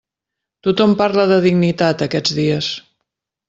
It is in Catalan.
Tothom parla de dignitat, aquests dies.